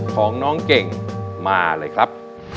ของน้องเก่งมาเลยครับ